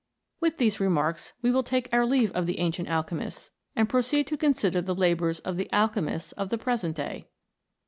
With these remarks we will take our leave of the ancient alchemists, and proceed to consider the labours of the alchemists of the present day.